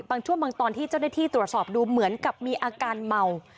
ช่วงบางตอนที่เจ้าหน้าที่ตรวจสอบดูเหมือนกับมีอาการเมา